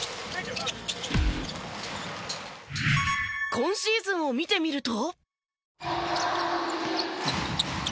今シーズンを見てみると。